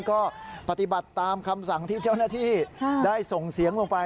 ก็ปฏิบัติตามคำสั่งที่เจ้าหน้าที่ได้ส่งเสียงลงไป